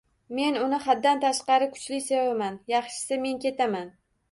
Men uni haddan tashqari kuchli sevaman… Yaxshisi, men ketaman